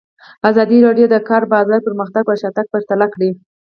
ازادي راډیو د د کار بازار پرمختګ او شاتګ پرتله کړی.